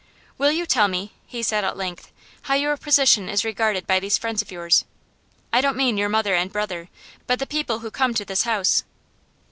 'Will you tell me,' he said at length, 'how your position is regarded by these friends of yours? I don't mean your mother and brother, but the people who come to this house.